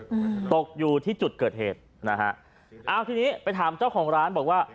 อืมตกอยู่ที่จุดเกิดเหตุนะฮะอ้าวทีนี้ไปถามเจ้าของร้านบอกว่า